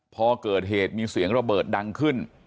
พอเกิดเหตุมีเสียงระเบิดดังขึ้น